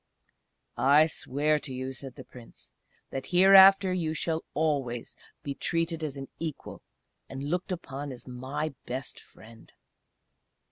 "I swear to you," said the Prince, "that hereafter you shall always be treated as an equal, and looked upon as my best friend!...